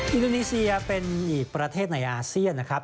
อินโดนีเซียเป็นอีกประเทศในอาเซียนนะครับ